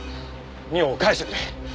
美央を返してくれ。